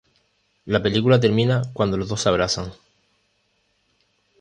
La película termina cuando los dos se abrazan.